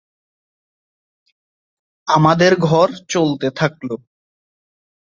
আমাদের ঘর চলতে থাকলো।